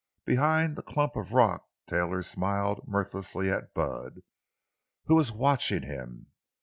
Behind the clump of rock Taylor smiled mirthlessly at Bud, who was watching him.